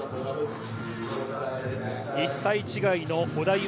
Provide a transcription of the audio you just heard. １歳違いの織田夢